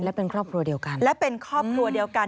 และเป็นครอบครัวเดียวกัน